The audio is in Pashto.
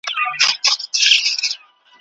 لمرینو وړانګو ته به نه ځلیږي